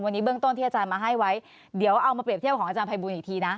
วันนี้เบื้องต้นที่อาจารย์มาให้ไว้เดี๋ยวเอามาเปรียบเทียบของอาจารย์ภัยบูลอีกทีนะ